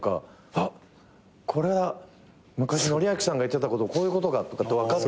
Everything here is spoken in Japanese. あっこれは昔哲明さんが言ってたことこういうことかって分かったり。